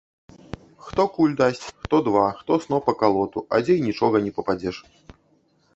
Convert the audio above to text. Хто куль дасць, хто два, хто сноп акалоту, а дзе й нічога не пападзеш.